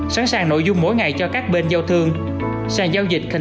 sẵn sàng nội dung mỗi ngày cho các bên giao thương